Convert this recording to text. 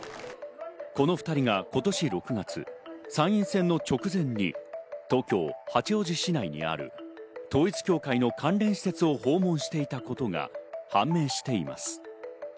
この２人が今年６月、参院選の直前に東京・八王子市内にある統一教会の関連施設を訪問していたことが判明しています。